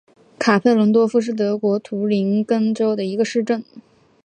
卡佩伦多夫是德国图林根州的一个市镇。